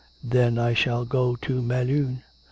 'Then I shall go to Melun.'